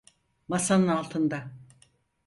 Masanın altında.